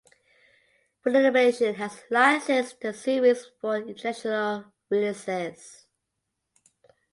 Funimation has licensed the series for international releases.